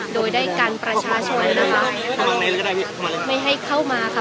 โดยได้กันประชาชนนะคะไม่ให้เข้ามาค่ะ